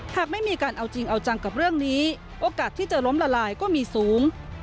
หากไม่มีการเอาจริงเอาจังกับเรื่องนี้โอกาสที่จะล้มละลายก็มีสูง